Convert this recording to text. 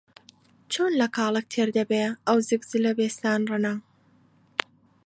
چۆن لە کاڵەک تێر دەبێ ئەو زگ زلە بێستان ڕنە؟